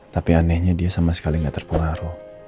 tapi anehnya dia sama sekali nggak terpengaruh